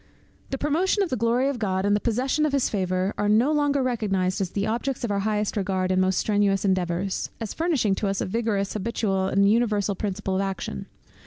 The promotion of the glory of God, and the possession of his favour, are no longer recognized as the objects of our highest regard, and most strenuous endeavours; as furnishing to us, a vigorous, habitual, and universal principle of action.